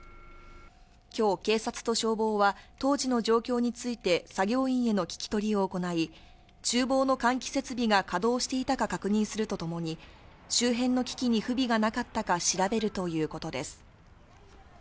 今日、警察と消防は当時の状況について作業員への聞き取りを行い、厨房の換気設備が稼働していたか確認するとともに周辺の機器に不備がなかったか調べるということです。